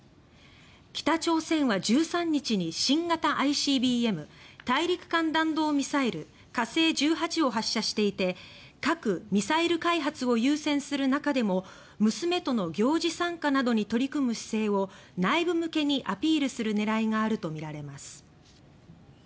北朝鮮は１３日に新型ＩＣＢＭ・大陸間弾道ミサイル火星１８を発射していて核・ミサイル開発を優先する中でも娘との行事参加などに取り組む姿勢を内部向けにアピールする狙いがあるとみられます。